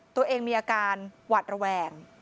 ตัวเองมีอาการหวัดระแวง